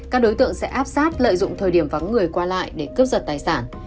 các đối tượng sẽ áp sát lợi dụng thời điểm vắng người qua lại để cướp giật tài sản